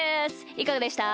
いかがでした？